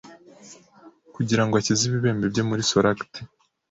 Kugira ngo akize ibibembe bye muri Soracte